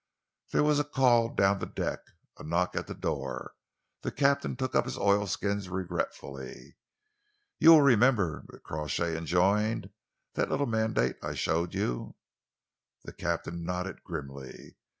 There was a call down the deck, a knock at the door. The captain took up his oilskins regretfully. "You will remember," Crawshay enjoined, "that little mandate I showed you?" The captain nodded grimly.